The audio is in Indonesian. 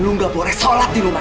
dan lo gak boleh sholat di rumah